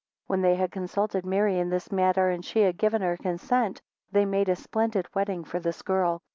30 When they had consulted Mary in this matter, and she had given her consent, they made a splendid wedding for this girl.